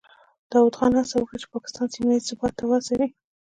داود خان هڅه وکړه چې پاکستان سیمه ییز ثبات ته وهڅوي.